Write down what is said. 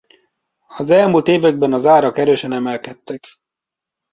Az elmúlt években az árak erősen emelkedtek.